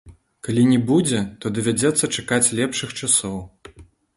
Калі не будзе, то давядзецца чакаць лепшых часоў.